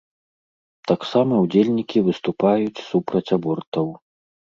Таксама ўдзельнікі выступаюць супраць абортаў.